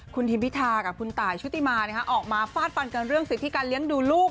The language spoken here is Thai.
คุณทิมพิธากับคุณตายชุติมาออกมาฟาดฟันกันเรื่องสิทธิการเลี้ยงดูลูก